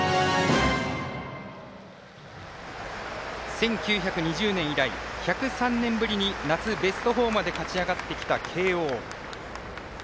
１９２０年以来１０３年ぶりに夏ベスト４まで勝ち進んできた慶応。